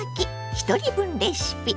ひとり分レシピ」。